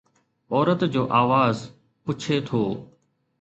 عورت جو آواز پڇي ٿو